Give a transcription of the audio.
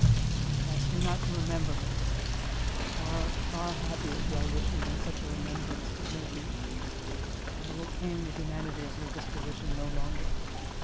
I ask you not to remember me, far, far happier do I wish you than such a remembrance could make you; but I will pain the humanity of your disposition no longer.